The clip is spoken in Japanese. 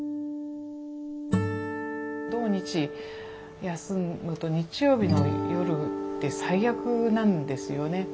土日休むと日曜日の夜って最悪なんですよね。